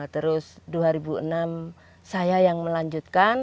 terus dua ribu enam saya yang melanjutkan